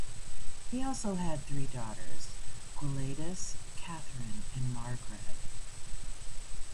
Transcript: He also had three daughters, Gwladus, Catherine and Margred.